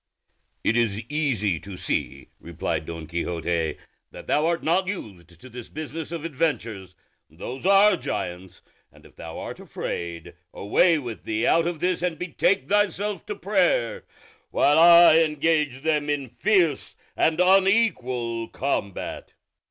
"It is easy to see," replied Don Quixote, "that thou art not used to this business of adventures; those are giants; and if thou art afraid, away with thee out of this and betake thyself to prayer, while I engage them in fierce and unequal combat."